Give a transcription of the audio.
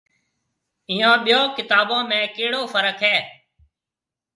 ائيون ٻيون ڪتابون ۾ ڪيهڙو فرق هيَ۔